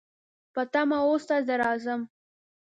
په تمه اوسه، زه راځم